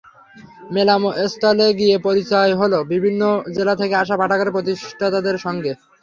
মেলাস্থলে গিয়ে পরিচয় হলো বিভিন্ন জেলা থেকে আসা পাঠাগারের প্রতিষ্ঠাতাদের সঙ্গে।